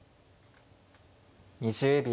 ２０秒。